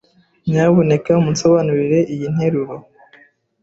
Nyamuneka munsobanurire iyi nteruro.